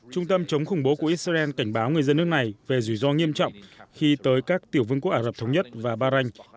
trung tâm chống khủng bố của israel cảnh báo người dân nước này về rủi ro nghiêm trọng khi tới các tiểu vương quốc ả rập thống nhất và bahrain